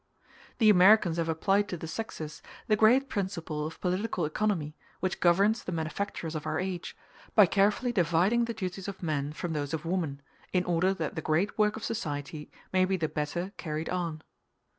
The Americans have applied to the sexes the great principle of political economy which governs the manufactures of our age, by carefully dividing the duties of man from those of woman, in order that the great work of society may be the better carried on.